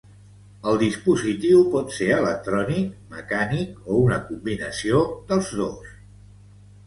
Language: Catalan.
El dispositiu pot ser electrònic, mecànic, o una combinació dels dos.